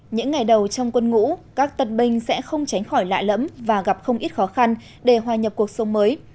những ngày đầu trong quân ngũ các tân binh sẽ không tránh khỏi lạ lẫm và gặp không ít khó khăn để hòa nhập cuộc sống mới